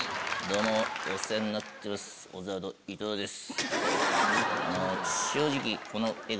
どうもお世話になってます。